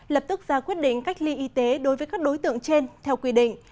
lập tức ra quyết định cách ly y tế đối với các đối tượng trên theo quy định